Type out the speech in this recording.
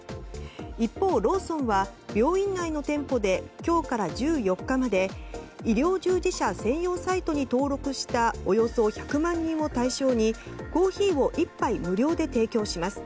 一方、ローソンは病院内の店舗で今日から１４日まで医療従事者専用サイトに登録したおよそ１００万人を対象にコーヒーを１杯無料で提供します。